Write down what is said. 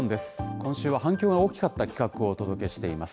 今週は反響が大きかった企画をお届けしています。